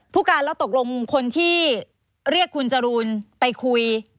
ผู้การแล้วตกลงคนที่เรียกคุณจรูนไปคุย